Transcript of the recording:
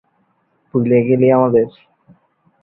এরপর তিনি আওয়ামীলীগের সহ দপ্তর সম্পাদকের দায়িত্ব পালন করেছিলেন।